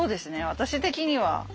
私的には。